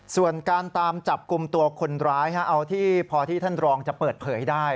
ส่วนการตามจับกลุ่มตัวคนร้ายเอาที่พอที่ท่านรองจะเปิดเผยได้